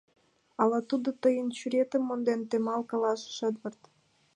— Ала тудо тыйын чуриетым монден, Темал, — каласыш Эдвард.